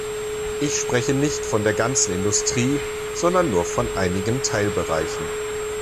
Ich spreche nicht von der ganzen Industrie, sondern nur von einigen Teilbereichen.